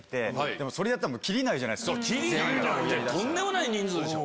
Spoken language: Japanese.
とんでもない人数でしょ。